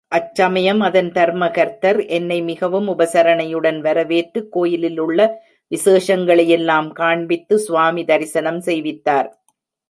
அச் சமயம் அதன் தர்மகர்த்தர் என்னை மிகவும் உபசரணையுடன் வரவேற்று, கோயிலிலுள்ள விசேஷங்களையெல்லாம் காண்பித்து, ஸ்வாமி தரிசனம் செய்வித்தார்.